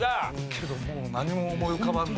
けどもう何も思い浮かばんので。